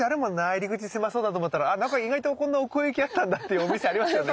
入り口狭そうだと思ったら中意外とこんな奥行きあったんだっていうお店ありますよね。